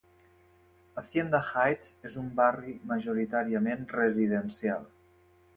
Hacienda Heights és un barri majoritàriament residencial.